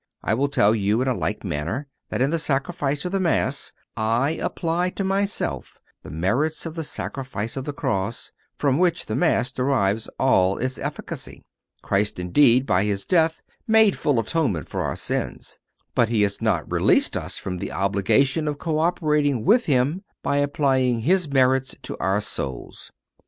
I will tell you, in like manner, that in the Sacrifice of the Mass I apply to myself the merits of the sacrifice of the cross, from which the Mass derives all its efficacy. Christ, indeed, by His death made full atonement for our sins, but He has not released us from the obligation of co operating with Him by applying His merits to our souls.